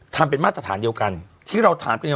ทำเป็นมาตรฐานเดียวกันที่เราถามกันอย่าง